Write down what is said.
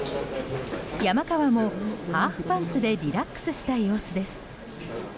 山川も、ハーフパンツでリラックスした様子です。